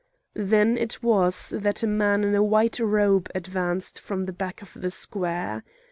Then it was that a man in a white robe advanced from the back of the square.